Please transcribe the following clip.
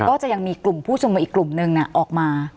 ก็จะมีกลุ่มผู้ชุมนุมอีกกลุ่มนึงออกมา